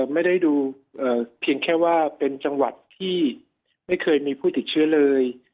ไม่ได้ดูเพียงแค่ว่าเป็นจังหวัดที่ไม่เคยมีผู้ติดเชื้อเลย